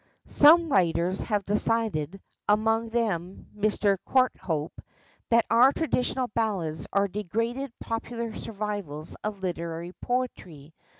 Some writers have decided, among them Mr. Courthope, that our traditional ballads are degraded popular survivals of literary poetry.